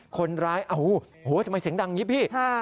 คนร้ายโอ้โหทำไมเสียงดังอย่างนี้พี่